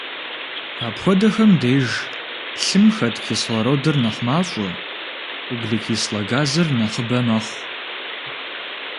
Апхуэдэхэм деж лъым хэт кислородыр нэхъ мащӏэ, углекислэ газыр нэхъыбэ мэхъу.